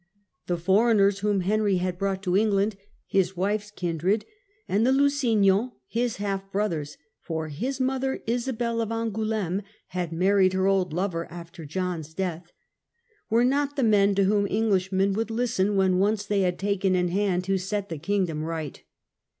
The foreigners whom Henry had brought to England, his wife's kindred and the Lusignans, his half brothers (for his mother, Isabel of Angoul^me, bad married her old lover after John's death), were not the men to whom Englishmen would listen when once they had taken in hand to set the kingdom right.